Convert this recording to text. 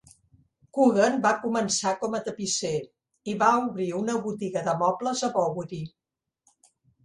Coogan va començar com a tapisser i va obrir una botiga de mobles a Bowery.